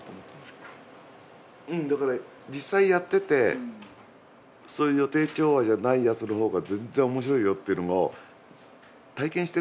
うんだから実際やっててそういう予定調和じゃないやつの方が全然面白いよっていうのを体験してるから。